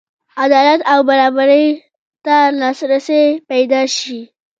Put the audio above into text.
عدالت او برابرۍ ته لاسرسی پیدا شي.